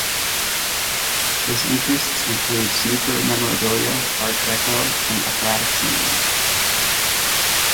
His interests include snooker memorabilia, Art Deco and operatic singing.